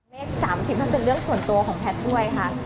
เลข๓๐มันเป็นเรื่องส่วนตัวของแพทย์ด้วยค่ะ